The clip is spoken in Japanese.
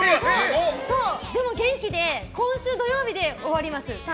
でも元気で今週土曜日で終わります。